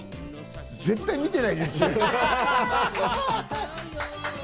絶対、試合見てない。